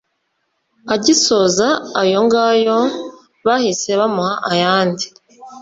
Agisoza ayo ngayo bahise bamuha ayandi